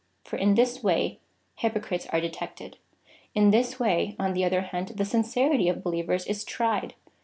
For in this way hypocrites are detected — in this way, on the other hand, the sincerity of believers is tried.